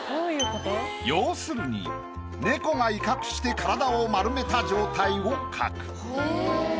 要するに猫が威嚇して体を丸めた状態を描く。